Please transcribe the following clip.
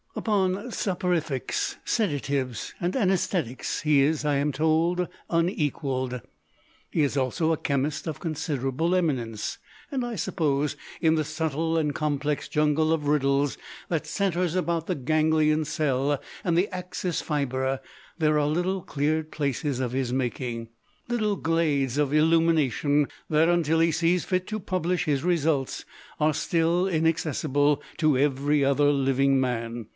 Upon soporifics, sedatives, and anaesthetics he is, I am told, unequalled. He is also a chemist of considerable eminence, and I suppose in the subtle and complex jungle of riddles that centres about the ganglion cell and the axis fibre there are little cleared places of his making, little glades of illumination, that, until he sees fit to publish his results, are still inaccessible to every other living man.